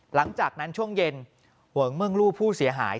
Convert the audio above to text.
หลังจากนั้นช่วงเย็นเหวงเมืองลูกผู้เสียหาย